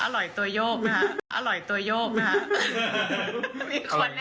อร่อยตัวโยกนะฮะอร่อยตัวโยกนะฮะ